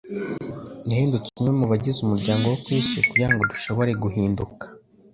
Yahindutse umwe mu bagize umuryango wo ku isi kugira ngo dushobore guhinduka